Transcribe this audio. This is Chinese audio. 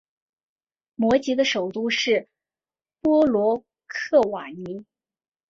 摩羯的首府是波罗克瓦尼。